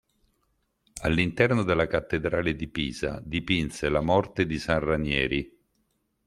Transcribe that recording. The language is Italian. All'interno della Cattedrale di Pisa dipinse la "Morte di San Ranieri".